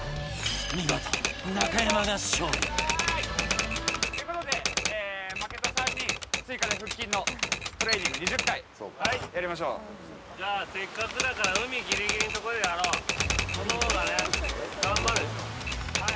見事仲山が勝利ということで負けた３人追加で腹筋のトレーニング２０回やりましょうじゃあせっかくだからそのほうがね頑張るでしょ